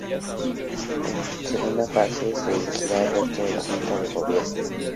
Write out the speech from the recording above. En segunda fase, se elegirá el resto de la Junta de Gobierno.